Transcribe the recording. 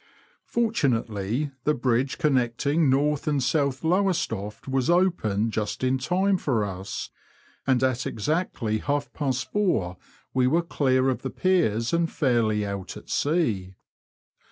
Fortunately the bridge connecting North and South Lowestoft was opened just in time for us, and at exactly half past four we were clear of the piers and fairly out at sea.